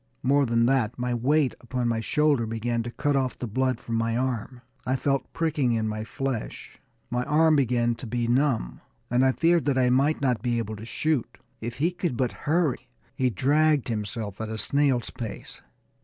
More than that, my weight upon my shoulder began to cut off the blood from my arm. I felt pricking in my flesh, my arm began to be numb, and I feared that I might not be able to shoot. If he could but hurry! He dragged himself at a snail's pace.